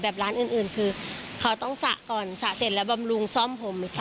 ร้านอื่นคือเขาต้องสระก่อนสระเสร็จแล้วบำรุงซ่อมผม